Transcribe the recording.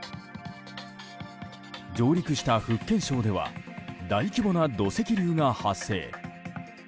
上陸した福建省では大規模な土石流が発生。